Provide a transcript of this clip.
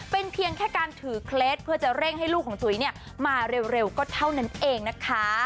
เป็นเพียงแค่การถือเคล็ดเพื่อจะเร่งให้ลูกของจุ๋ยมาเร็วก็เท่านั้นเองนะคะ